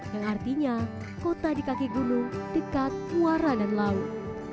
yang artinya kota di kaki gunung dekat muara dan laut